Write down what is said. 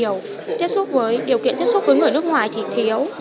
điều kiện tiếp xúc với người nước ngoài thì thiếu